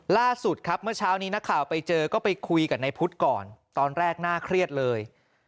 ล่าสุดครับเมื่อเช้านี้นักข่าวไปเจอก็ไปคุยกับนายพุทธก่อนตอนแรกน่าเครียดเลย